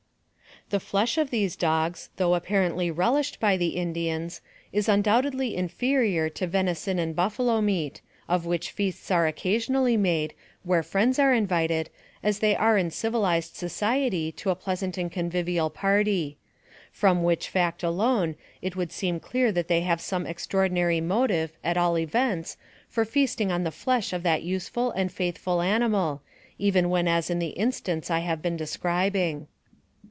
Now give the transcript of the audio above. The flesh of these dogs, though apparently relished by the Indians, is undoubtedly inferior to venison and buffalo meat, of which feasts are constantly made, where friends are invited, as they are in civilized so ciety, to a pleasant and convivial party ; from which fact alone, it would seem clear that they have some ex traordinary motive, at all events, for feasting on the flesh of that useful and faithful animal, even when as in the instance I have been describing.